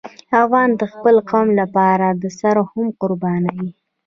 افغان د خپل قوم لپاره سر هم قربانوي.